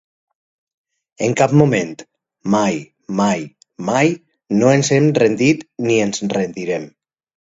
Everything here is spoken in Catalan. En cap moment, mai, mai, mai, no ens hem rendit ni ens rendirem.